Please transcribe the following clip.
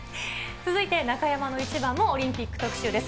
続いて中山のイチバンもオリンピック特集です。